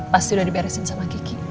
pasti udah diberesin sama kiki